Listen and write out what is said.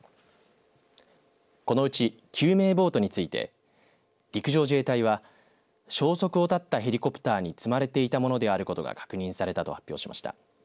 このうち、救命ボートについて陸上自衛隊は消息を絶ったヘリコプターに積まれていたものであることが確認されたと発表しました。